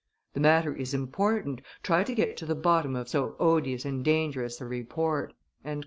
The matter is important; try to get to the bottom of so odious and dangerous a report."